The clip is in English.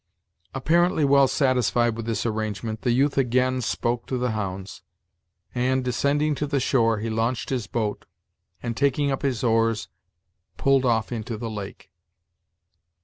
Apparently well satisfied with this arrangement, the youth again spoke to the hounds; and, descending to the shore, he launched his boat, and taking up his oars, pulled off into the lake.